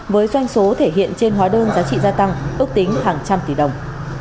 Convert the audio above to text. với doanh số thể hiện trên hóa đơn giá trị gia tăng